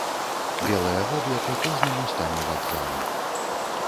Белае воблака кожнаму стане вакзалам.